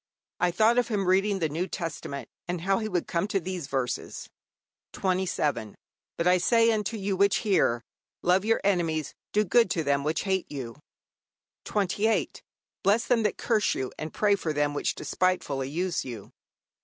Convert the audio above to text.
I thought of him reading the New Testament, and how he would come to these verses: '27. But I say unto you which hear, Love your enemies, do good to them which hate you, '28. Bless them that curse you, and pray for them which despitefully use you.